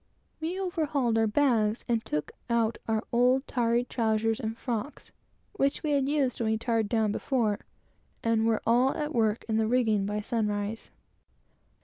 We overhauled our bags and took out our old tarry trowsers and frocks, which we had used when we tarred down before, and were all at work in the rigging by sunrise.